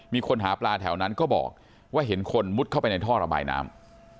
มีคนหาปลาแถวนั้นก็บอกว่าเห็นคนมุดเข้าไปในท่อระบายน้ำ